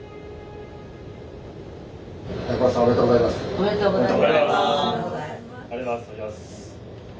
ありがとうございます。